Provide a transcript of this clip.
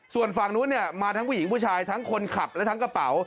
ส่วนฝั่งนู้นเนี่ยมาทั้งผู้หญิงผู้ชายทั้งคนขับและทั้งกระเป๋า